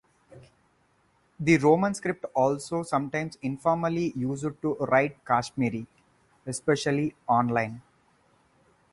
The Roman script is also sometimes informally used to write Kashmiri, especially online.